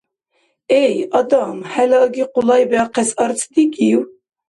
— Эй, адам, хӀела аги къулайбиахъес арц дигив?!